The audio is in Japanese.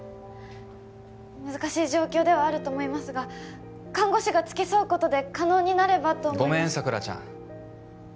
難しい状況ではあると思いますが看護師が付き添うことで可能になればと思いごめん佐倉ちゃん